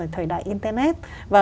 thời đại internet